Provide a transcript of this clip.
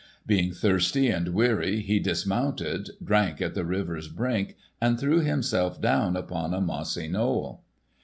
Being thirsty and weary he dismounted, drank at the river's brink and threw himself down upon a mossy knoll.